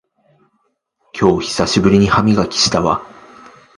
今日久しぶりに歯磨きしたわ